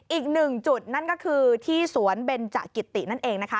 อีกหนึ่งจุดนั่นก็คือที่สวนเบนจกิตินั่นเองนะคะ